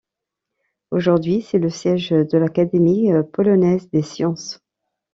Aujourd'hui, c'est le siège de l'Académie polonaise des sciences.